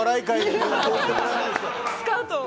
スカウト？